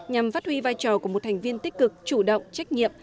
nhằm phát huy vai trò của một thành viên tích cực chủ động trách nhiệm